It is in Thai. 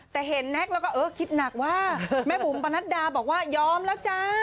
แต่เห็นแน็กแล้วก็เออคิดหนักว่าแม่บุ๋มปนัดดาบอกว่ายอมแล้วจ้า